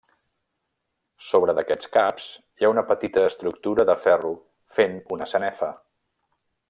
Sobre d'aquests caps, hi ha una petita estructura de ferro fent una sanefa.